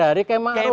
dari km a'ruf